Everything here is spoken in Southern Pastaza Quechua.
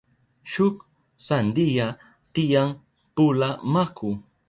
Shuk sandiya tiyan pula maku.